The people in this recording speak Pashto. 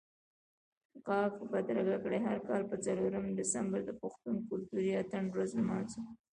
ږغ بدرګه کړئ، هر کال به څلورم دسمبر د پښتون کلتوري اتڼ ورځ لمانځو